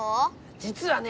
じつはね